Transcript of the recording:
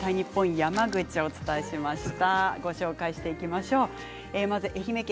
山口をお伝えしました。